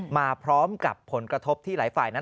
มาพร้อมกับผลกระทบที่หลายฝ่ายนั้น